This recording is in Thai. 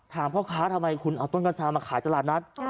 พ่อค้าทำไมคุณเอาต้นกัญชามาขายตลาดนัด